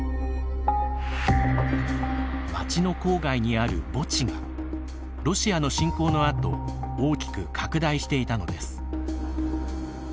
町の郊外にある墓地がロシアの侵攻のあと大きく拡大していたのです。